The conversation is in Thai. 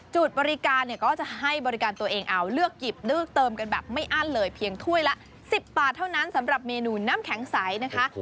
จุดบริการเนี่ยก็จะให้บริการตัวเองเอาเลือกหยิบเลือกเติมกันแบบไม่อั้นเลยเพียงถ้วยละ๑๐บาทเท่านั้นสำหรับเมนูน้ำแข็งใสนะคะ